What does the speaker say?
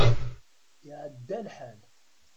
Iɛedda lḥal.